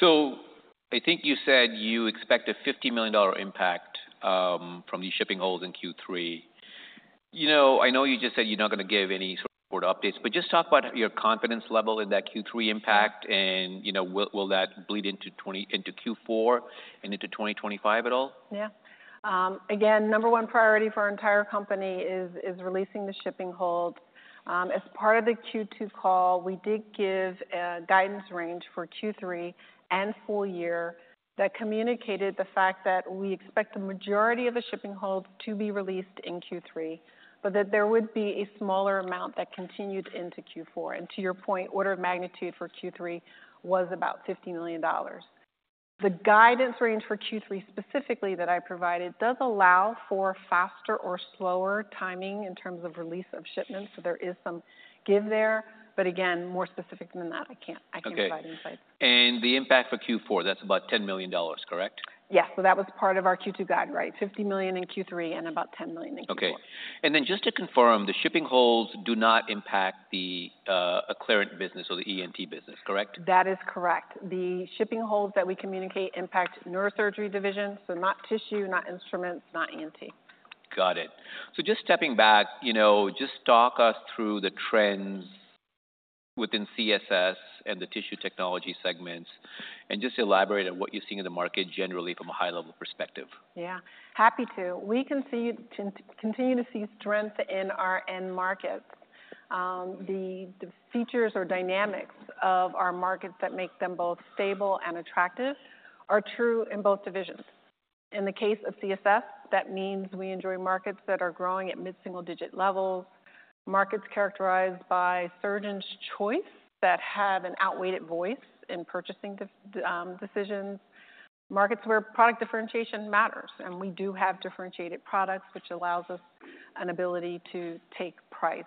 So I think you said you expect a $50 million impact from the shipping holds in Q3. You know, I know you just said you're not gonna give any sort of broad updates, but just talk about your confidence level in that Q3 impact and, you know, will that bleed into Q4 and into 2025 at all? Yeah. Again, number one priority for our entire company is releasing the shipping hold. As part of the Q2 call, we did give a guidance range for Q3 and full year that communicated the fact that we expect the majority of the shipping holds to be released in Q3, but that there would be a smaller amount that continued into Q4, and to your point, order of magnitude for Q3 was about $50 million. The guidance range for Q3, specifically, that I provided, does allow for faster or slower timing in terms of release of shipments, so there is some give there, but again, more specific than that, I can't- Okay. I can't provide insight. The impact for Q4, that's about $10 million, correct? Yes. So that was part of our Q2 guide, right? $50 million in Q3 and about $10 million in Q4. Okay, and then just to confirm, the shipping holds do not impact the Acclarent business or the ENT business, correct? That is correct. The shipping holds that we communicate impact neurosurgery division, so not tissue, not instruments, not ENT. Got it. So just stepping back, you know, just talk us through the trends within CSS and the tissue technology segments, and just elaborate on what you're seeing in the market generally from a high level perspective? Yeah, happy to. We can continue to see strength in our end markets. The features or dynamics of our markets that make them both stable and attractive are true in both divisions. In the case of CSS, that means we enjoy markets that are growing at mid-single digit levels, markets characterized by surgeons' choice, that have an outweighed voice in purchasing decisions. Markets where product differentiation matters, and we do have differentiated products, which allows us an ability to take price.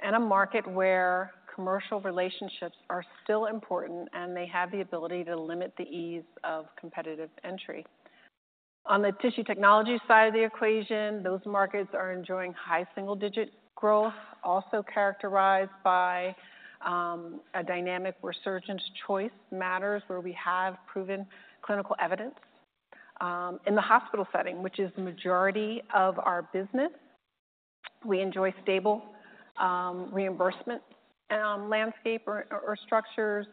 And a market where commercial relationships are still important, and they have the ability to limit the ease of competitive entry. On the tissue technology side of the equation, those markets are enjoying high single-digit growth, also characterized by a dynamic where surgeons' choice matters, where we have proven clinical evidence. In the hospital setting, which is the majority of our business, we enjoy stable reimbursement landscape or structures.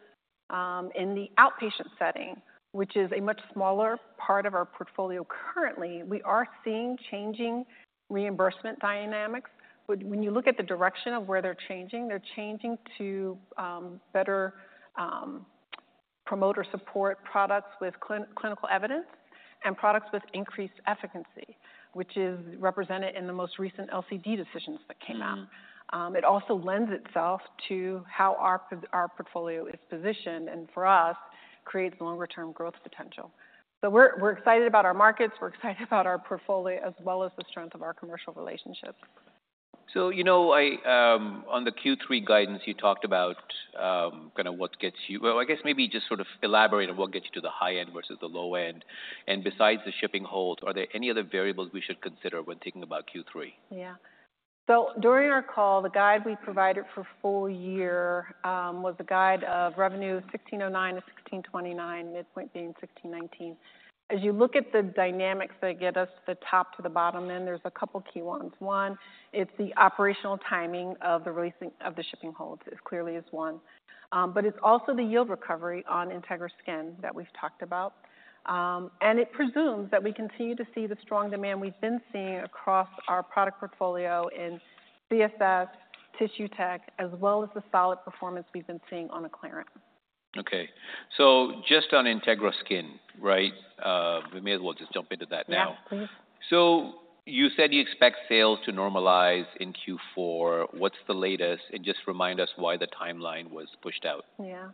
In the outpatient setting, which is a much smaller part of our portfolio currently, we are seeing changing reimbursement dynamics. But when you look at the direction of where they're changing, they're changing to better promote or support products with clinical evidence and products with increased efficacy, which is represented in the most recent LCD decisions that came out. It also lends itself to how our portfolio is positioned, and for us, creates longer-term growth potential. So we're excited about our markets, we're excited about our portfolio, as well as the strength of our commercial relationships. So, you know, I, on the Q3 guidance, you talked about, kind of what gets you... Well, I guess maybe just sort of elaborate on what gets you to the high end versus the low end. And besides the shipping holds, are there any other variables we should consider when thinking about Q3? Yeah, so during our call, the guide we provided for full year, was a guide of revenue $1,609 million-$1,629 million, midpoint being $1,619 million. As you look at the dynamics that get us the top to the bottom end, there's a couple key ones. One, it's the operational timing of the releasing of the shipping holds; it clearly is one, but it's also the yield recovery on Integra Skin that we've talked about, and it presumes that we continue to see the strong demand we've been seeing across our product portfolio in CSF, Tissue Tech, as well as the solid performance we've been seeing on Acclarent. Okay, so just on Integra Skin, right? We may as well just jump into that now. Yeah, please. So you said you expect sales to normalize in Q4. What's the latest? And just remind us why the timeline was pushed out? Yeah.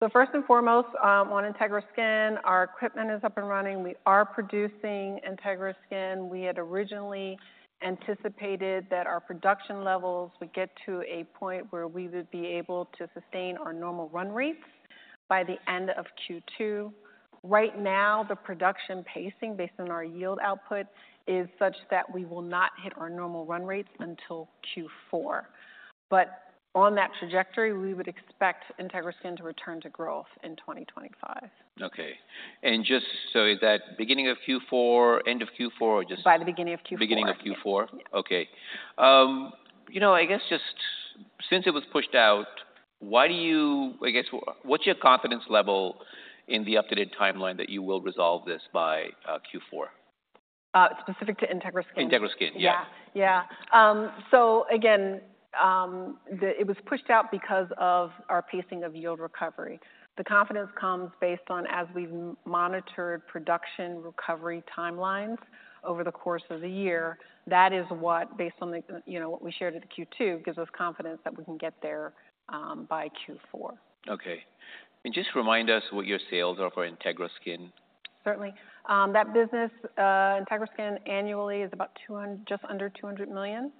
So first and foremost, on Integra Skin, our equipment is up and running. We are producing Integra Skin. We had originally anticipated that our production levels would get to a point where we would be able to sustain our normal run rates by the end of Q2. Right now, the production pacing, based on our yield output, is such that we will not hit our normal run rates until Q4. But on that trajectory, we would expect Integra Skin to return to growth in 2025. Okay. And just so is that beginning of Q4, end of Q4, or just- By the beginning of Q4. Beginning of Q4? Yeah. Okay. You know, I guess just since it was pushed out, I guess, what's your confidence level in the updated timeline that you will resolve this by Q4? Specific to Integra Skin? Integra Skin, yeah. Yeah. Yeah. So again, it was pushed out because of our pacing of yield recovery. The confidence comes based on as we've monitored production recovery timelines over the course of the year. That is what, based on the, you know, what we shared at the Q2, gives us confidence that we can get there by Q4. Okay, and just remind us what your sales are for Integra Skin. Certainly. That business, Integra Skin, annually is about just under $200 million.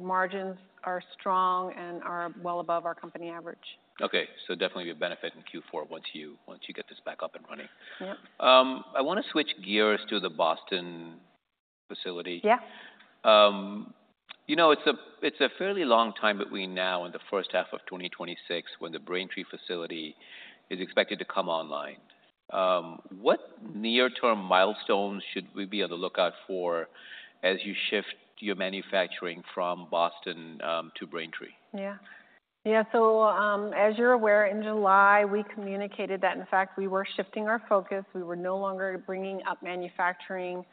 Margins are strong and are well above our company average. Okay, so definitely a benefit in Q4 once you get this back up and running. Yeah. I wanna switch gears to the Boston facility? Yeah. You know, it's a fairly long time between now and the first half of 2026, when the Braintree facility is expected to come online. What near-term milestones should we be on the lookout for as you shift your manufacturing from Boston to Braintree? Yeah. Yeah, so, as you're aware, in July, we communicated that, in fact, we were shifting our focus. We were no longer bringing up manufacturing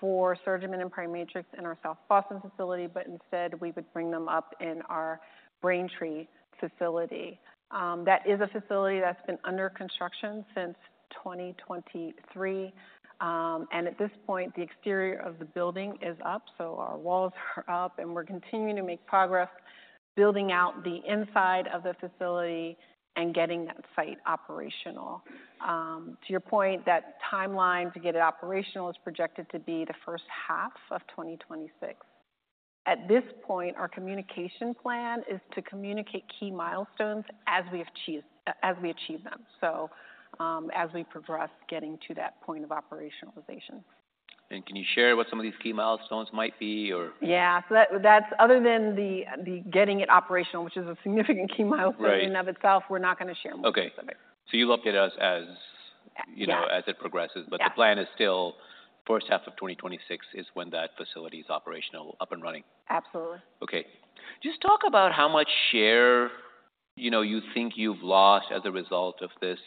for SurgiMend and PriMatrix in our South Boston facility, but instead, we would bring them up in our Braintree facility. That is a facility that's been under construction since 2023, and at this point, the exterior of the building is up, so our walls are up, and we're continuing to make progress building out the inside of the facility and getting that site operational. To your point, that timeline to get it operational is projected to be the first half of 2026. At this point, our communication plan is to communicate key milestones as we achieve them, so, as we progress, getting to that point of operationalization. Can you share what some of these key milestones might be, or? Yeah. So that's... Other than getting it operational, which is a significant key milestone- Right In and of itself, we're not going to share more specific. Okay, so you'll update us as- Yeah You know, as it progresses. Yeah. But the plan is still first half of 2026 is when that facility is operational, up and running. Absolutely. Okay. Just talk about how much share, you know, you think you've lost as a result of this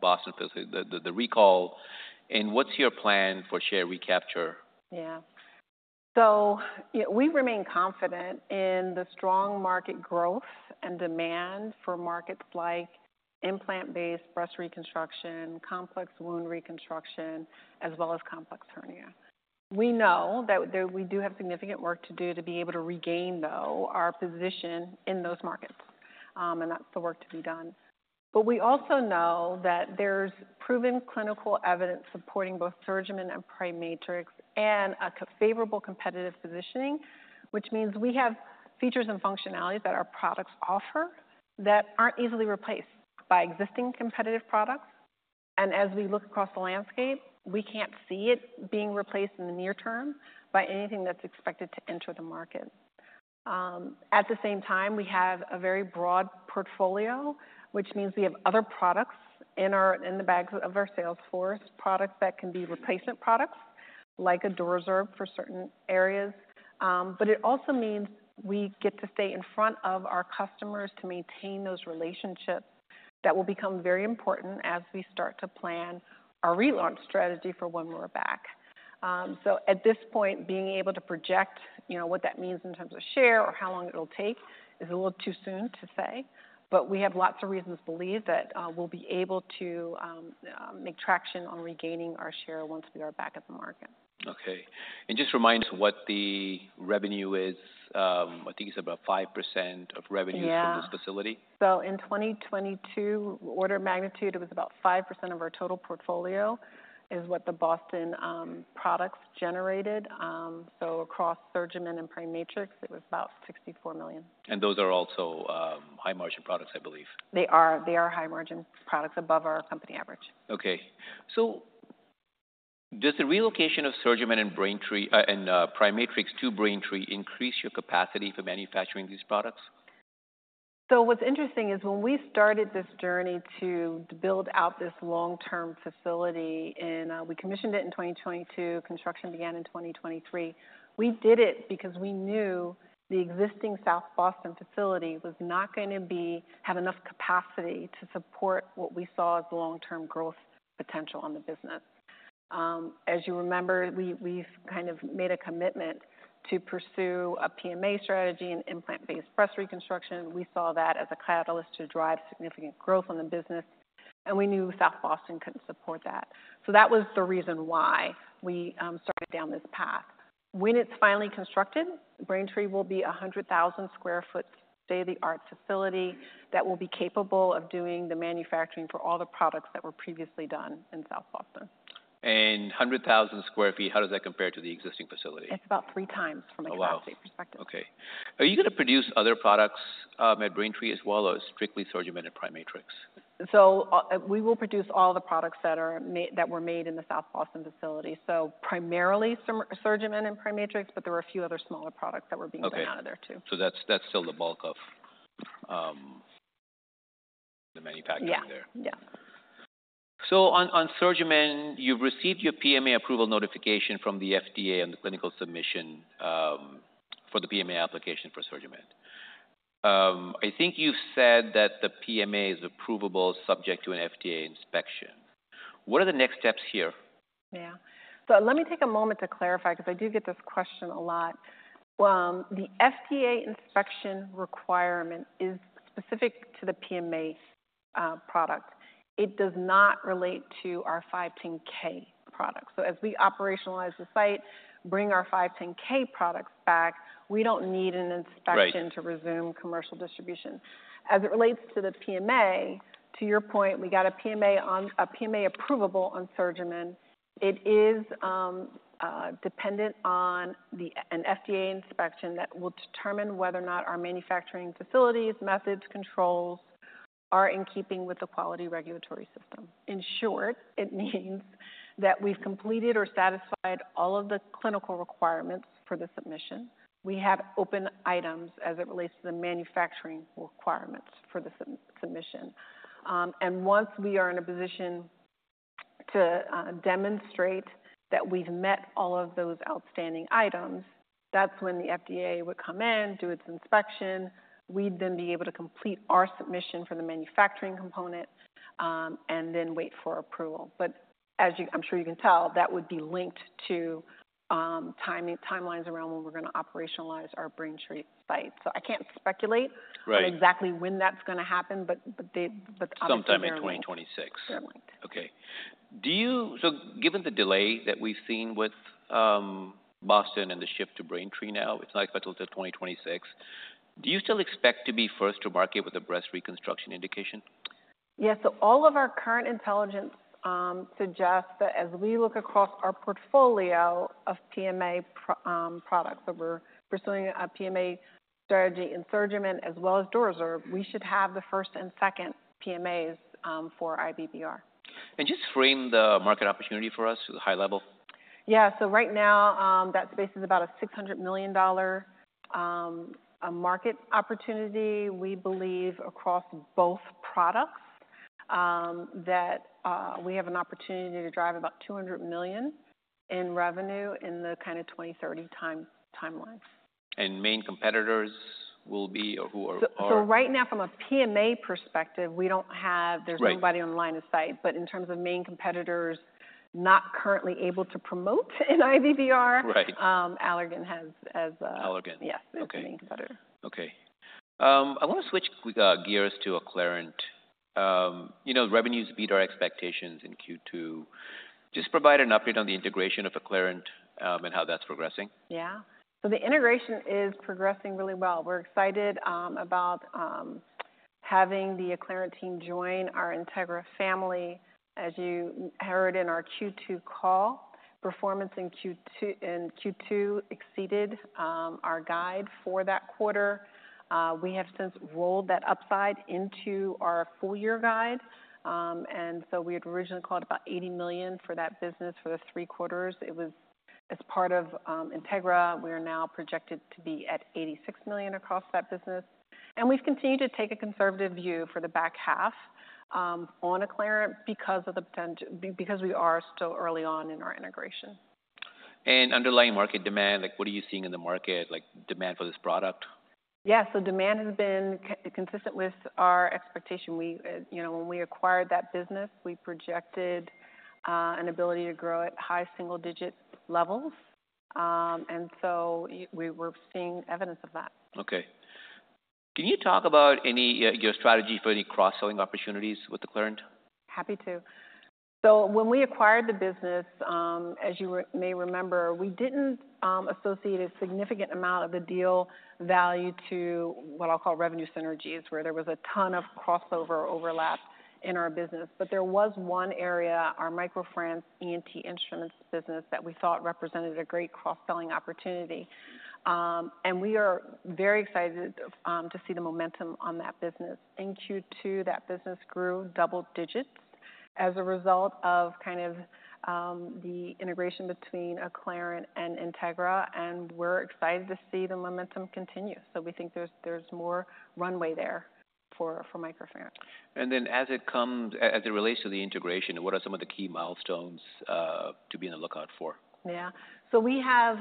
Boston, the recall, and what's your plan for share recapture? Yeah. So, yeah, we remain confident in the strong market growth and demand for markets like implant-based breast reconstruction, complex wound reconstruction, as well as complex hernia. We know that we do have significant work to do to be able to regain, though, our position in those markets, and that's the work to be done. But we also know that there's proven clinical evidence supporting both SurgiMend and PriMatrix and a favorable competitive positioning, which means we have features and functionalities that our products offer that aren't easily replaced by existing competitive products. And as we look across the landscape, we can't see it being replaced in the near term by anything that's expected to enter the market. At the same time, we have a very broad portfolio, which means we have other products in our, in the bags of our sales force, products that can be replacement products, like a DuraSeal, for certain areas. But it also means we get to stay in front of our customers to maintain those relationships. That will become very important as we start to plan our relaunch strategy for when we're back. So at this point, being able to project, you know, what that means in terms of share or how long it'll take is a little too soon to say, but we have lots of reasons to believe that, we'll be able to make traction on regaining our share once we are back at the market. Okay, and just remind us what the revenue is. I think it's about 5% of revenue- Yeah from this facility. In 2022, order of magnitude, it was about 5% of our total portfolio, is what the Boston products generated. Across SurgiMend and PriMatrix, it was about $64 million. And those are also, high-margin products, I believe. They are. They are high-margin products, above our company average. Okay, so does the relocation of SurgiMend and PriMatrix to Braintree increase your capacity for manufacturing these products? So what's interesting is when we started this journey to build out this long-term facility in. We commissioned it in 2022. Construction began in 2023. We did it because we knew the existing South Boston facility was not going to be, have enough capacity to support what we saw as the long-term growth potential on the business. As you remember, we, we've kind of made a commitment to pursue a PMA strategy and implant-based breast reconstruction. We saw that as a catalyst to drive significant growth on the business, and we knew South Boston couldn't support that. So that was the reason why we started down this path. When it's finally constructed, Braintree will be a 100,000 sq ft, state-of-the-art facility that will be capable of doing the manufacturing for all the products that were previously done in South Boston. A 100,000 sq ft, how does that compare to the existing facility? It's about three times from a capacity perspective. Oh, wow! Okay. Are you going to produce other products at Braintree, as well, or strictly SurgiMend and PriMatrix? So, we will produce all the products that were made in the South Boston facility, so primarily SurgiMend and PriMatrix, but there were a few other smaller products that were being- Okay Made out of there, too. That's, that's still the bulk of the manufacturing there. Yeah. Yeah. On SurgiMend, you've received your PMA approval notification from the FDA on the clinical submission for the PMA application for SurgiMend. I think you've said that the PMA is approvable subject to an FDA inspection. What are the next steps here? Yeah. So let me take a moment to clarify, because I do get this question a lot. The FDA inspection requirement is specific to the PMA product. It does not relate to our 510(k) products. So as we operationalize the site, bring our 510(k) products back, we don't need an inspection- Right -to resume commercial distribution. As it relates to the PMA, to your point, we got a PMA approvable on SurgiMend. It is dependent on an FDA inspection that will determine whether or not our manufacturing facilities, methods, controls are in keeping with the quality regulatory system. In short, it means that we've completed or satisfied all of the clinical requirements for the submission. We have open items as it relates to the manufacturing requirements for the submission, and once we are in a position to demonstrate that we've met all of those outstanding items, that's when the FDA would come in, do its inspection. We'd then be able to complete our submission for the manufacturing component, and then wait for approval. But as you—I'm sure you can tell, that would be linked to, timing, timelines around when we're gonna operationalize our Braintree site. So I can't speculate- Right. on exactly when that's gonna happen, but obviously there are- Sometime in 2026. Yeah. Okay. So given the delay that we've seen with Boston and the shift to Braintree now, it's not until 2026 do you still expect to be first to market with a breast reconstruction indication? Yeah, so all of our current intelligence suggests that as we look across our portfolio of PMA products, so we're pursuing a PMA strategy in SurgiMend as well as DuraSorb, we should have the first and second PMAs for IBBR. Just frame the market opportunity for us at a high level. Yeah. So right now, that space is about a $600 million market opportunity. We believe across both products, that we have an opportunity to drive about $200 million in revenue in the kind of 2030 timeline. Main competitors will be, or who are. So, right now, from a PMA perspective, we don't have- Right. There's nobody on the line of sight. But in terms of main competitors, not currently able to promote in IBBR- Right. Allergan has Allergan. Yes. Okay. The main competitor. Okay. I want to switch gears to Acclarent. You know, revenues beat our expectations in Q2. Just provide an update on the integration of Acclarent, and how that's progressing. Yeah. So the integration is progressing really well. We're excited about having the Acclarent team join our Integra family. As you heard in our Q2 call, performance in Q2 exceeded our guide for that quarter. We have since rolled that upside into our full-year guide. And so we had originally called about $80 million for that business for the three quarters. It was as part of Integra. We are now projected to be at $86 million across that business, and we've continued to take a conservative view for the back half on Acclarent, because we are still early on in our integration. Underlying market demand, like, what are you seeing in the market, like, demand for this product? Yeah, so demand has been consistent with our expectation. We, you know, when we acquired that business, we projected an ability to grow at high single-digit levels, and so we're seeing evidence of that. Okay. Can you talk about any, your strategy for any cross-selling opportunities with Acclarent? Happy to. So when we acquired the business, as you may remember, we didn't associate a significant amount of the deal value to what I'll call revenue synergies, where there was a ton of crossover overlap in our business. But there was one area, our MicroFrance ENT Instruments business, that we thought represented a great cross-selling opportunity. And we are very excited to see the momentum on that business. In Q2, that business grew double-digits as a result of kind of the integration between Acclarent and Integra, and we're excited to see the momentum continue. So we think there's more runway there for MicroFrance. And then, as it comes... As it relates to the integration, what are some of the key milestones to be on the lookout for? Yeah. So we have,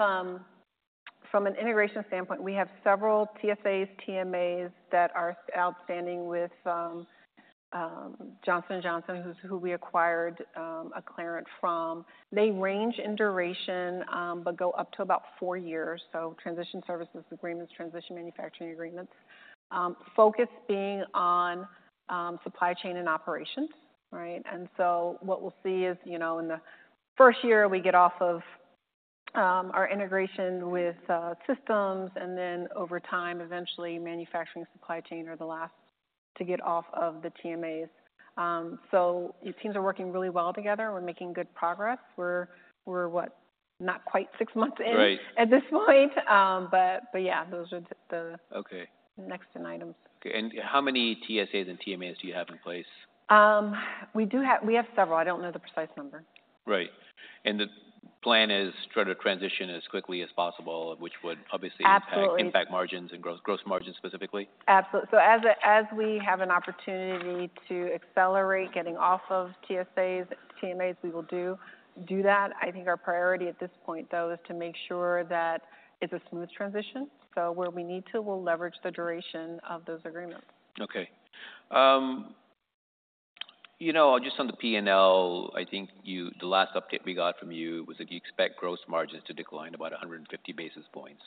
from an integration standpoint, we have several TSAs, TMAs that are outstanding with, Johnson & Johnson, who we acquired Acclarent from. They range in duration, but go up to about four years. So transition serVikes agreements, transition manufacturing agreements, focus being on, supply chain and operations, right? And so what we'll see is, you know, in the first year, we get off of, our integration with, systems, and then over time, eventually manufacturing supply chain are the last to get off of the TMAs. So these teams are working really well together. We're making good progress. We're what? Not quite six months in- Right. at this point, but yeah, those are the- Okay. Next in items. Okay, and how many TSAs and TMAs do you have in place? We have several. I don't know the precise number. Right. And the plan is try to transition as quickly as possible, which would obviously- Absolutely... impact margins and gross margins specifically? Absolutely. So as we have an opportunity to accelerate getting off of TSAs, TMAs, we will do that. I think our priority at this point, though, is to make sure that it's a smooth transition. So where we need to, we'll leverage the duration of those agreements. Okay. You know, just on the P&L, I think the last update we got from you was that you expect gross margins to decline about 150 basis points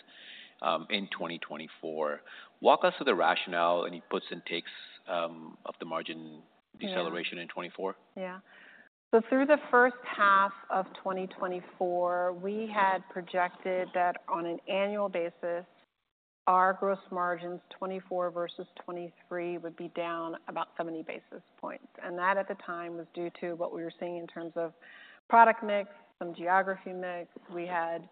in 2024. Walk us through the rationale, any puts and takes, of the margin deceleration. Yeah... in 2024. Yeah. So through the first half of 2024, we had projected that on an annual basis our gross margins, 24 versus 23, would be down about 70 basis points, and that at the time was due to what we were seeing in terms of product mix, some geographic mix. We had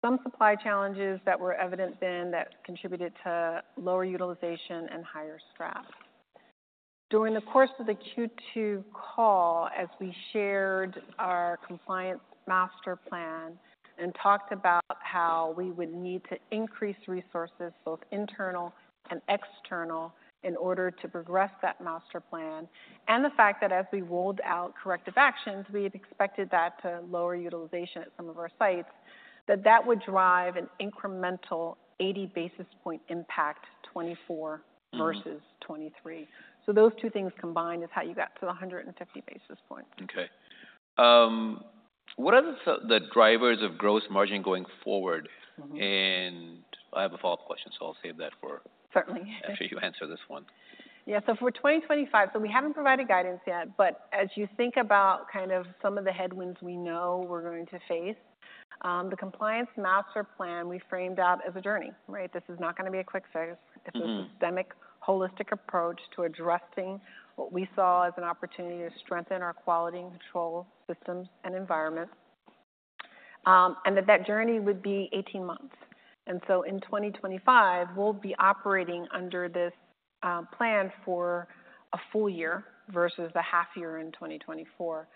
some supply challenges that were evident then that contributed to lower utilization and higher scrap. During the course of the Q2 call, as we shared our compliance master plan and talked about how we would need to increase resources, both internal and external, in order to progress that master plan, and the fact that as we rolled out corrective actions, we had expected that to lower utilization at some of our sites, that that would drive an incremental 80 basis points impact ,24 versus 23. Mm-hmm. So those two things combined is how you got to the 150 basis points. Okay. What are the drivers of gross margin going forward? Mm-hmm. And I have a follow-up question, so I'll save that for- Certainly. -after you answer this one. Yeah. So for 2025, so we haven't provided guidance yet, but as you think about kind of some of the headwinds we know we're going to face, the Compliance Master Plan we framed out as a journey, right? This is not gonna be a quick fix. Mm-hmm. It's a systemic, holistic approach to addressing what we saw as an opportunity to strengthen our quality and control systems and environment, and that journey would be 18 months. So in 2025, we'll be operating under this plan for a full year versus the half year in 2024.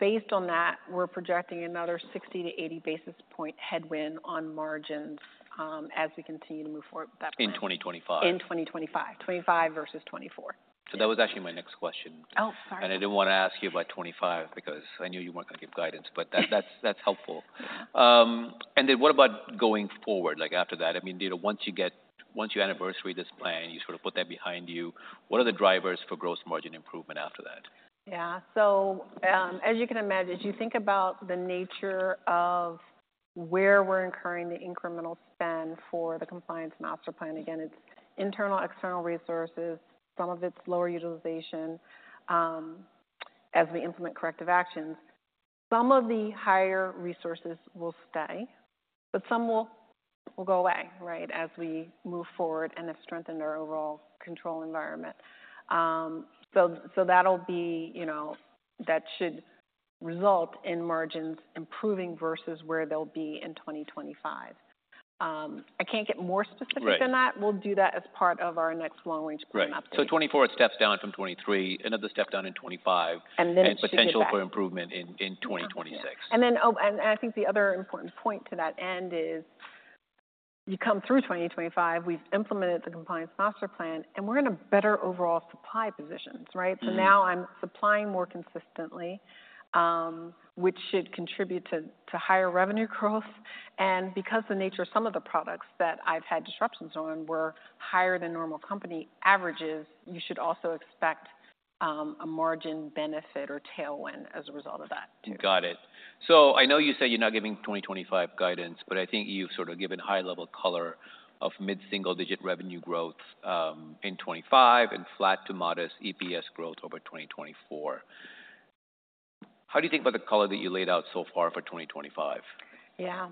Based on that, we're projecting another 60-80 basis point headwind on margins, as we continue to move forward with that plan. In 2025? In 2025. 2025 versus 2024. So that was actually my next question. Oh, sorry. I didn't want to ask you about 2025 because I knew you weren't gonna give guidance, but that, that's helpful. Yeah. And then what about going forward, like after that? I mean, you know, once you anniversary this plan, you sort of put that behind you, what are the drivers for gross margin improvement after that? Yeah. So, as you can imagine, as you think about the nature of where we're incurring the incremental spend for the Compliance Master Plan, again, it's internal, external resources. Some of it's lower utilization, as we implement corrective actions. Some of the higher resources will stay, but some will go away, right, as we move forward and have strengthened our overall control environment. So, that'll be, you know, that should result in margins improving versus where they'll be in 2025. I can't get more specific than that. Right. We'll do that as part of our next long-range plan update. Right. So 2024 steps down from 2023, another step down in 2025- And then- Potential for improvement in 2026. Yeah. And then, oh, and I think the other important point to that end is you come through 2025, we've implemented the Compliance Master Plan, and we're in a better overall supply positions, right? Mm-hmm. So now I'm supplying more consistently, which should contribute to higher revenue growth. And because the nature of some of the products that I've had disruptions on were higher than normal company averages, you should also expect a margin benefit or tailwind as a result of that too. Got it. So I know you said you're not giving 2025 guidance, but I think you've sort of given high-level color of mid-single-digit revenue growth in 2025 and flat to modest EPS growth over 2024. How do you think about the color that you laid out so far for 2025? Yeah.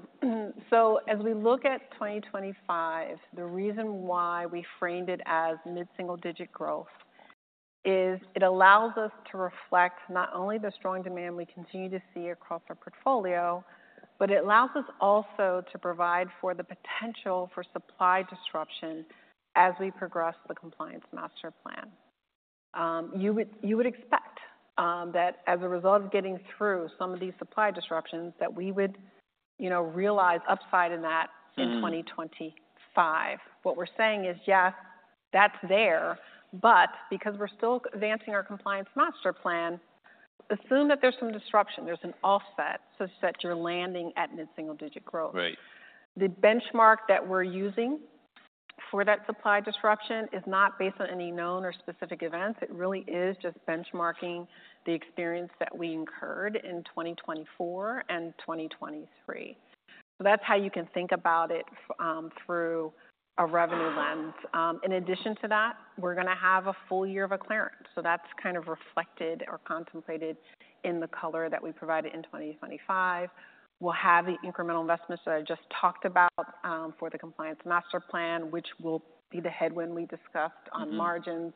So as we look at 2025, the reason why we framed it as mid-single-digit growth is it allows us to reflect not only the strong demand we continue to see across our portfolio, but it allows us also to provide for the potential for supply disruption as we progress the compliance master plan. You would expect that as a result of getting through some of these supply disruptions, that we would, you know, realize upside in that in 2025. Mm. What we're saying is, yes, that's there, but because we're still advancing our Compliance Master Plan, assume that there's some disruption, there's an offset, such that you're landing at mid-single-digit growth. Right. The benchmark that we're using for that supply disruption is not based on any known or specific events. It really is just benchmarking the experience that we incurred in 2024 and 2023. So that's how you can think about it through a revenue lens. In addition to that, we're gonna have a full year of CereLink, so that's kind of reflected or contemplated in the color that we provided in 2025. We'll have the incremental investments that I just talked about for the Compliance Master Plan, which will be the headwind we discussed- Mm-hmm. -on margins.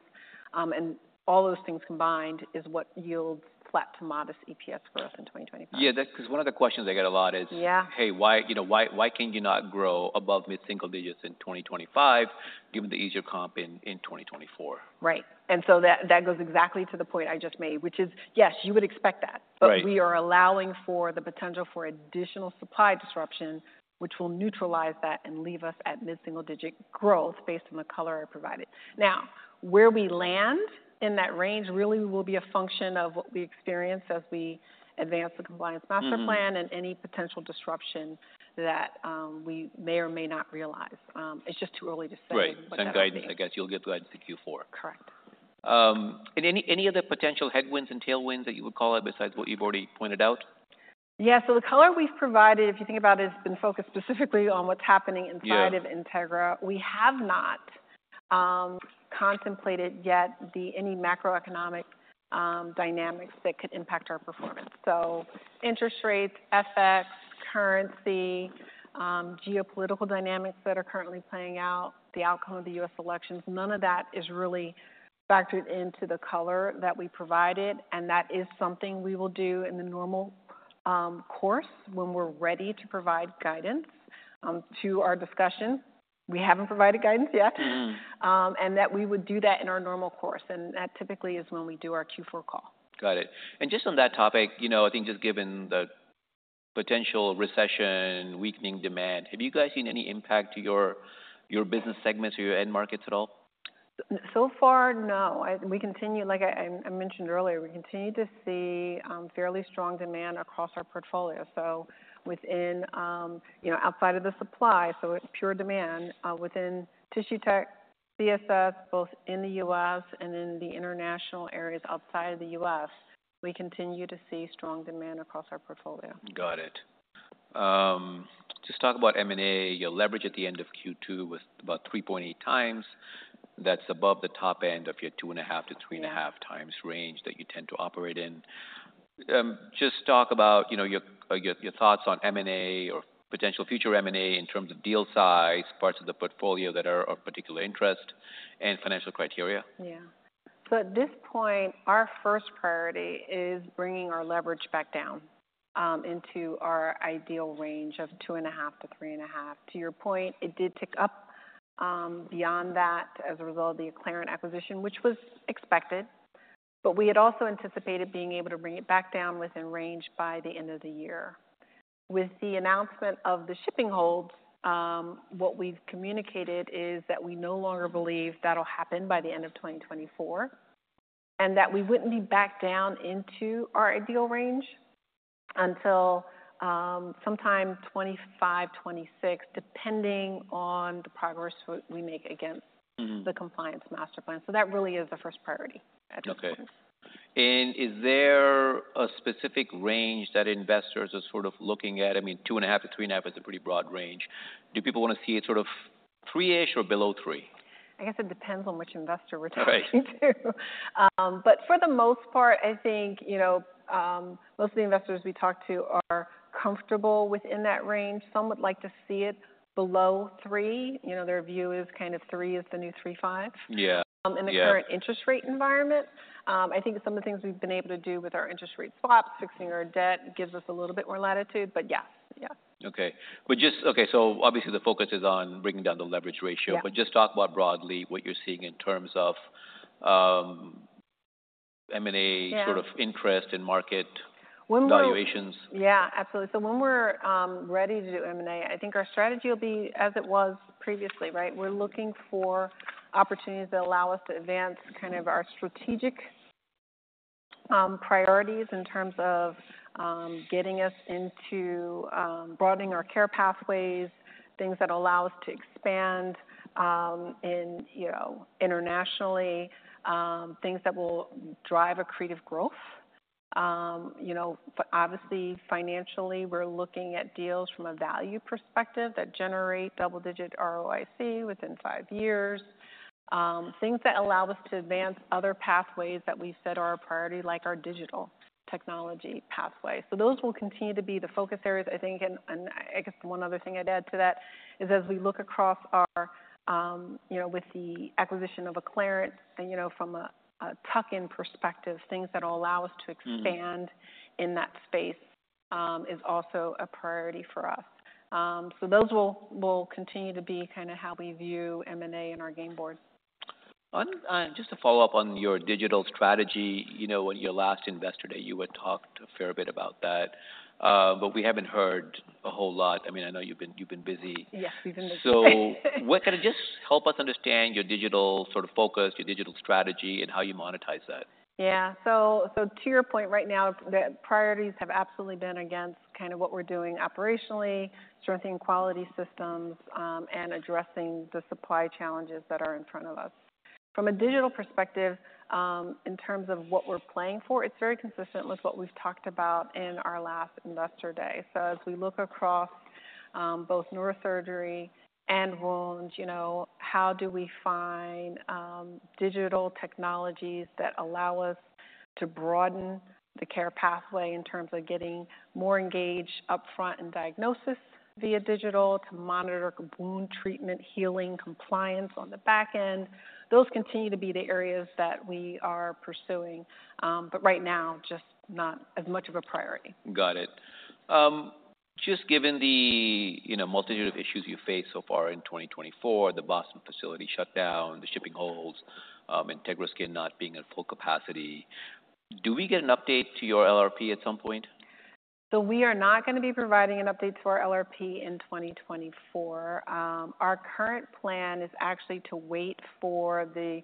And all those things combined is what yields flat to modest EPS growth in 2025. Yeah, 'cause one of the questions I get a lot is: Yeah. Hey, why, you know, can you not grow above mid-single digits in 2025, given the easier comp in 2024? Right. And so that, that goes exactly to the point I just made, which is, yes, you would expect that. Right. But we are allowing for the potential for additional supply disruptions, which will neutralize that and leave us at mid-single-digit growth based on the color I provided. Now, where we land in that range really will be a function of what we experience as we advance the Compliance Master Plan- Mm-hmm. -and any potential disruption that, we may or may not realize. It's just too early to say. Right. Same guidance. I guess you'll give guidance in Q4. Correct. And any other potential headwinds and tailwinds that you would call out besides what you've already pointed out? Yeah, so the color we've provided, if you think about it, has been focused specifically on what's happening- Yeah Inside of Integra. We have not contemplated yet any macroeconomic dynamics that could impact our performance. So interest rates, FX, currency, geopolitical dynamics that are currently playing out, the outcome of the U.S. elections. None of that is really factored into the color that we provided, and that is something we will do in the normal course when we're ready to provide guidance to our discussion. We haven't provided guidance yet, and that we would do that in our normal course, and that typically is when we do our Q4 call. Got it. And just on that topic, you know, I think just given the potential recession, weakening demand, have you guys seen any impact to your business segments or your end markets at all? So far, no. We continue, like I mentioned earlier, we continue to see fairly strong demand across our portfolio. So within, you know, outside of the supply, so it's pure demand, within tissue tech, CSF, both in the U.S. and in the international areas outside the U.S., we continue to see strong demand across our portfolio. Got it. Just talk about M&A. Your leverage at the end of Q2 was about 3.8 times. That's above the top end of your 2.5-3.5 times range that you tend to operate in. Just talk about, you know, your thoughts on M&A or potential future M&A in terms of deal size, parts of the portfolio that are of particular interest, and financial criteria. Yeah. So at this point, our first priority is bringing our leverage back down into our ideal range of 2.5-3.5. To your point, it did tick up beyond that as a result of the Acclarent acquisition, which was expected, but we had also anticipated being able to bring it back down within range by the end of the year. With the announcement of the shipping holds, what we've communicated is that we no longer believe that'll happen by the end of 2024, and that we wouldn't be back down into our ideal range until sometime 2025, 2026, depending on the progress we make against- Mm-hmm. - The Compliance Master Plan. So that really is the first priority at this point. Okay. And is there a specific range that investors are sort of looking at? I mean, two and a half to three and a half is a pretty broad range. Do people want to see it sort of three-ish or below three? I guess it depends on which investor we're talking to. Right. But for the most part, I think, you know, most of the investors we talk to are comfortable within that range. Some would like to see it below three. You know, their view is kind of three is the new three, five- Yeah, yeah. In the current interest rate environment. I think some of the things we've been able to do with our interest rate swaps, fixing our debt, gives us a little bit more latitude, but yeah. Yeah. Okay, so obviously the focus is on bringing down the leverage ratio. Yeah. But just talk about broadly what you're seeing in terms of M&A- Yeah sort of interest in market valuations. Yeah, absolutely. So when we're ready to do M&A, I think our strategy will be as it was previously, right? We're looking for opportunities that allow us to advance kind of our strategic priorities in terms of getting us into broadening our care pathways, things that allow us to expand in you know internationally things that will drive accretive growth. You know, but obviously, financially, we're looking at deals from a value perspective that generate double-digit ROIC within five years. Things that allow us to advance other pathways that we said are a priority, like our digital technology pathway. So those will continue to be the focus areas, I think, and I guess one other thing I'd add to that is as we look across our, you know, with the acquisition of Acclarent and, you know, from a tuck-in perspective, things that will allow us to expand- Mm-hmm In that space is also a priority for us. So those will continue to be kind of how we view M&A in our game board. Just to follow up on your digital strategy, you know, at your last Investor Day, you had talked a fair bit about that, but we haven't heard a whole lot. I mean, I know you've been busy. Yes, we've been busy. Kind of just help us understand your digital sort of focus, your digital strategy, and how you monetize that. Yeah. So to your point right now, the priorities have absolutely been against kind of what we're doing operationally, strengthening quality systems, and addressing the supply challenges that are in front of us. From a digital perspective, in terms of what we're planning for, it's very consistent with what we've talked about in our last Investor Day. So as we look across, both neurosurgery and wounds, you know, how do we find digital technologies that allow us to broaden the care pathway in terms of getting more engaged up front in diagnosis via digital, to monitor wound treatment, healing, compliance on the back end? Those continue to be the areas that we are pursuing, but right now, just not as much of a priority. Got it. Just given the, you know, multitude of issues you faced so far in twenty twenty-four, the Boston facility shutdown, the shipping holds, Integra Skin not being at full capacity, do we get an update to your LRP at some point? So we are not going to be providing an update to our LRP in 2024. Our current plan is actually to wait for the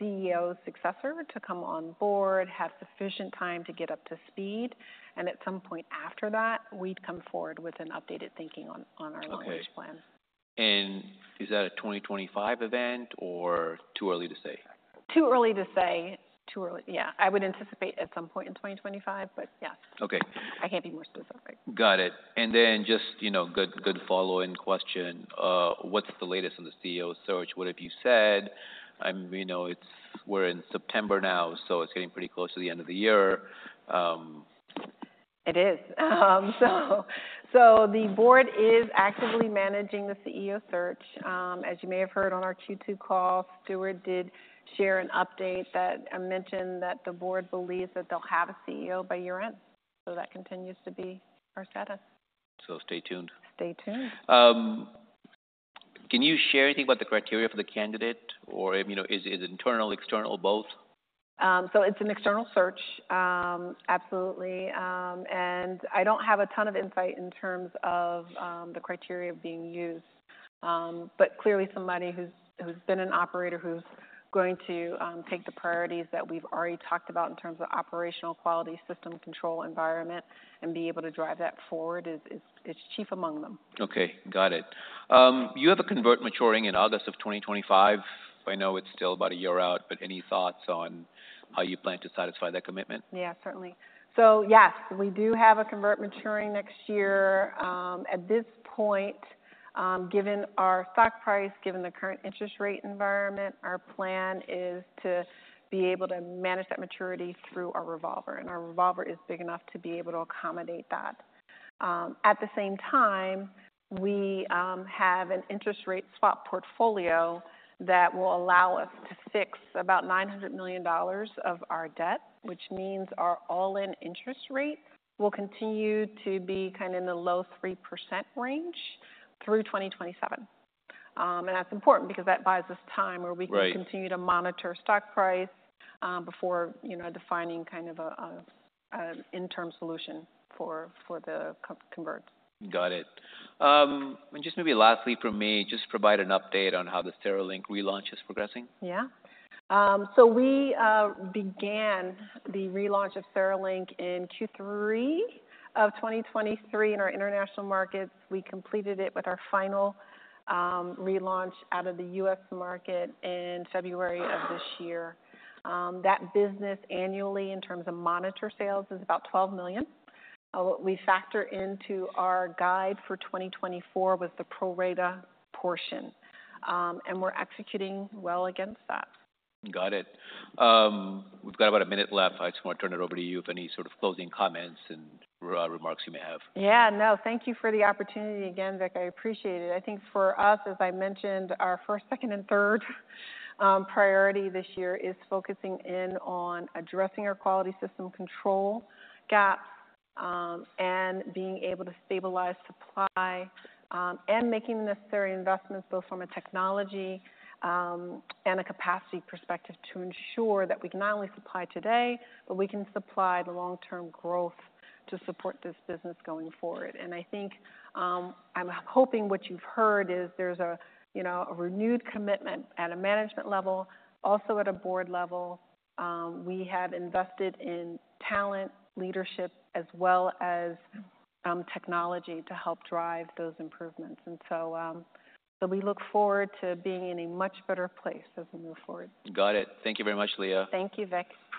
CEO's successor to come on board, have sufficient time to get up to speed, and at some point after that, we'd come forward with an updated thinking on our LRP plan. Okay. And is that a 2025 event or too early to say?... Too early to say. Too early. Yeah, I would anticipate at some point in 2025, but yeah. Okay. I can't be more specific. Got it. Then just, you know, good follow-up question. What's the latest on the CEO search? What have you said? You know, it's - we're in September now, so it's getting pretty close to the end of the year. It is. So the board is actively managing the CEO search. As you may have heard on our Q2 call, Stuart did share an update that mentioned that the board believes that they'll have a CEO by year-end. So that continues to be our status. So stay tuned. Stay tuned. Can you share anything about the criteria for the candidate, or, you know, is it internal, external, both? So it's an external search. Absolutely. And I don't have a ton of insight in terms of the criteria being used. But clearly somebody who's been an operator, who's going to take the priorities that we've already talked about in terms of operational quality, system control, environment, and be able to drive that forward is chief among them. Okay, got it. You have a convert maturing in August of 2025. I know it's still about a year out, but any thoughts on how you plan to satisfy that commitment? Yeah, certainly. So yes, we do have a convert maturing next year. At this point, given our stock price, given the current interest rate environment, our plan is to be able to manage that maturity through our revolver, and our revolver is big enough to be able to accommodate that. At the same time, we have an interest rate swap portfolio that will allow us to fix about $900 million of our debt, which means our all-in interest rate will continue to be kind of in the low 3% range through 2027. And that's important because that buys us time- Right where we can continue to monitor stock price, before, you know, defining kind of a interim solution for the convert. Got it. And just maybe lastly from me, just provide an update on how the CereLink relaunch is progressing. Yeah. So we began the relaunch of CereLink in Q3 of 2023 in our international markets. We completed it with our final relaunch in the U.S. market in February of this year. That business annually, in terms of monitor sales, is about $12 million. We factor into our guide for 2024 with the pro rata portion, and we're executing well against that. Got it. We've got about a minute left. I just want to turn it over to you if any sort of closing comments and remarks you may have. Yeah, no, thank you for the opportunity again, Vik. I appreciate it. I think for us, as I mentioned, our first, second, and third priority this year is focusing in on addressing our quality system control gaps, and being able to stabilize supply, and making the necessary investments, both from a technology, and a capacity perspective, to ensure that we can not only supply today, but we can supply the long-term growth to support this business going forward. And I think, I'm hoping what you've heard is there's a, you know, a renewed commitment at a management level, also at a board level. We have invested in talent, leadership, as well as, technology to help drive those improvements. And so, so we look forward to being in a much better place as we move forward. Got it. Thank you very much, Lea... Thank you, Vik.